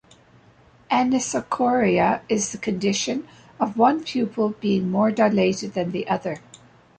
Anisocoria is the condition of one pupil being more dilated than the other.